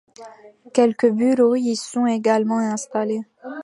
Quelques bureaux y sont également installés.